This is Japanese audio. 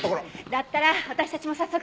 だったら私たちも早速。